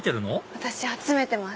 私集めてます。